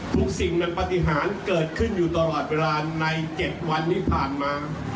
สิ่งมันปฏิหารเกิดขึ้นอยู่ตลอดเวลาใน๗วันที่ผ่านมา